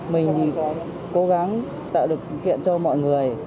mình cố gắng tạo được kỷ niệm cho mọi người